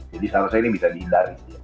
jadi seharusnya ini bisa dihindari